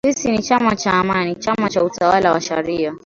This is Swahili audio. “Sisi ni chama cha Amani, chama cha utawala wa sharia